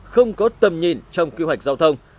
không có tầm nhìn trong quy hoạch giao thông